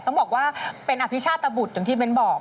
ต้องบอกว่าเป็นอภิชาตบุตรอย่างที่เบ้นบอก